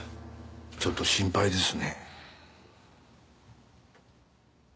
ちょっと心配ですね。